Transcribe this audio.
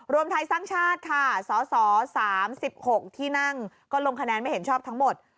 รวมไทยสร้างชาติค่ะสส๓๖ที่นั่งก็ลงคะแนนไม่เห็นชอบทั้งหมด